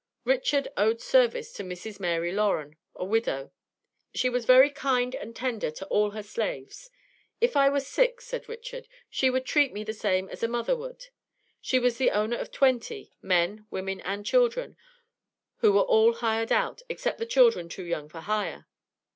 Richard owed service to Mrs. Mary Loren, a widow. "She was very kind and tender to all her slaves." "If I was sick," said Richard, "she would treat me the same as a mother would." She was the owner of twenty, men, women and children, who were all hired out, except the children too young for hire.